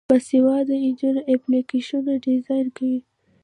باسواده نجونې اپلیکیشنونه ډیزاین کوي.